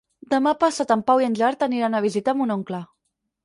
Demà passat en Pau i en Gerard aniran a visitar mon oncle.